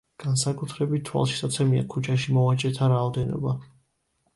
განსაკუთრებით თვალშისაცემია ქუჩაში მოვაჭრეთა რაოდენობა.